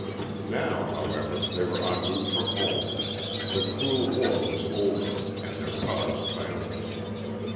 Now, however, they were en route for home, the cruel war was over and their cause triumphant.